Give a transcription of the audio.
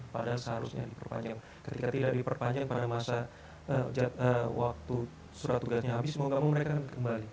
padahal seharusnya diperpanjang ketika tidak diperpanjang pada masa waktu surat tugasnya habis semoga kamu mereka akan kembali